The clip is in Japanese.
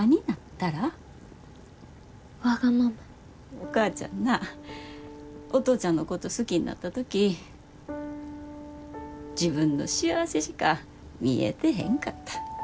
お母ちゃんなお父ちゃんのこと好きになった時自分の幸せしか見えてへんかった。